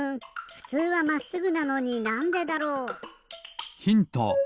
ふつうはまっすぐなのになんでだろう？ヒント！